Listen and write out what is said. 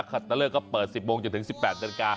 ก็เปิด๑๐โมงถึง๑๘น